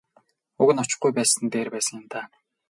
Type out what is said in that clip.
Уг нь очихгүй байсан нь дээр байсан юм даа.